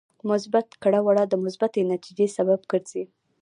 مثبت کړه وړه د مثبتې نتیجې سبب ګرځي.